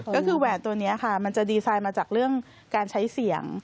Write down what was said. ก็คือแหวนตัวนี้ค่ะมันจะดีไซน์มาจากเรื่องการใช้เสียง